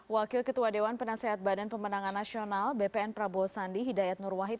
wakil ketua dewan penasehat badan pemenangan nasional bpn prabowo sandi hidayat nur wahid